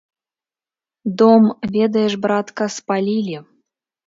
Дом, ведаеш, братка, спалілі.